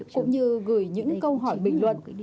cũng như gửi những câu hỏi bình luận